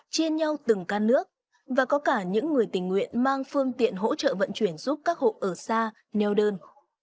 chia nhau từng can nước và có cả những người tình nguyện mang phương tiện hỗ trợ vận chuyển giúp các hộ ở xa neo đơn